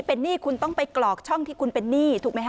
เป็นหนี้คุณต้องไปกรอกช่องที่คุณเป็นหนี้ถูกไหมฮ